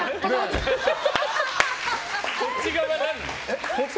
こっち側何なんだ。